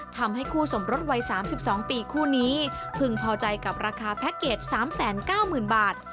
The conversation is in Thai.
ทำให้คู่สมรสวัย๓๒ปีคู่นี้พึงพอใจกับราคาแพ็คเกจ๓๙๐๐๐บาท